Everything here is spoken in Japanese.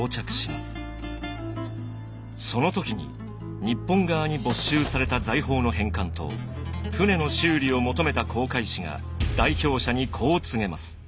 その時に日本側に没収された財宝の返還と船の修理を求めた航海士が代表者にこう告げます。